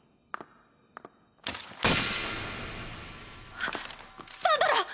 はっサンドラ！